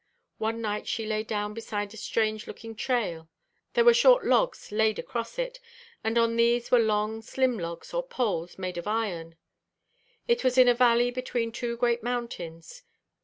One night she lay down beside a strange looking trail. There were short logs laid across it, and on these were long slim logs or poles made of iron. It was in a valley between two great mountains.